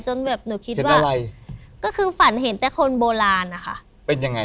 จนแบบหนูคิดว่าอะไรก็คือฝันเห็นแต่คนโบราณนะคะเป็นยังไง